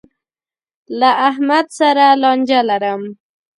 له احمد سره لانجه لرم.